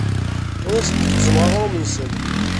Ur asen-gezzmeɣ aɣrum-nsen.